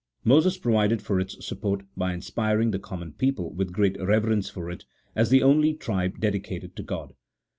Moses provided for its support by inspiring the common people with great reverence for it, as the only tribe dedicated to God.